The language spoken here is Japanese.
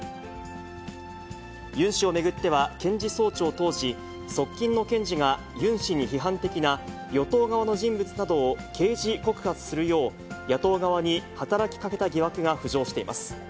ユン氏を巡っては、検事総長当時、側近の検事が、ユン氏に批判的な与党側の人物などを刑事告発するよう、野党側に働きかけた疑惑が浮上しています。